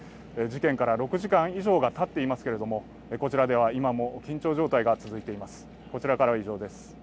事件から６時間以上がたっていますけれども、こちらでは今も緊張状態が続いています。